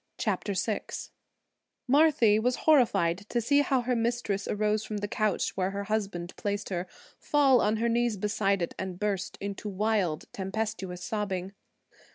CHAPTER VI Marthy was horrified to see how her mistress arose from the couch where her husband placed her, fall on her knees beside it, and burst into wild tempestuous sobbing.